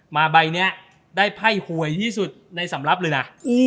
มาใบนี้ได้ไพ่หวยที่สุดในสำรับเลยนะ